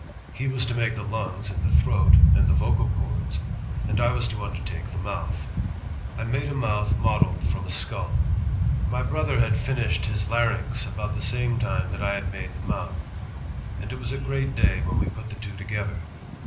He was to make the lungs and the throat, and the vocal chords, and I was to undertake the mouth. ... I made a mouth modeled ... from a skull. ... My brother had flnished Ciis larynx about the same time that I had made the mouth, and it was a great day when we put the two to gether.